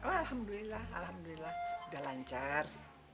alhamdulillah udah lancar